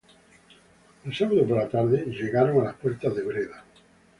El sábado por la tarde llegaron a las puertas de Breda.